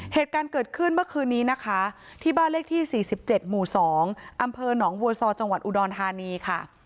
เหตุการณ์เกิดขึ้นเมื่อคืนนี้นะคะที่บ้านเลขที่๔๗หมู่๒อำเภอหนองบัวซอจังหวัดอุดรธานีค่ะ